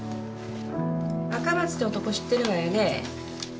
赤松って男知ってるわよね？